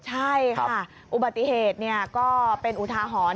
ใช่ค่ะอุบัติเหตุก็เป็นอุทาหรณ์